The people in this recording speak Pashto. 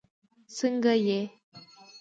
سنګه یی